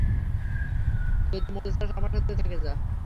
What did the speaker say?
যদি মরতে চাস আমার সাথে থেকে যা।